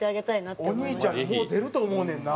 お兄ちゃんももう出ると思うねんな。